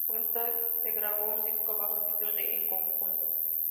Como resultado se grabó un disco bajo el título de "En Conjunto".